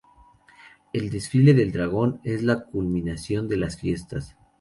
El desfile del dragón es la culminación de las fiestas.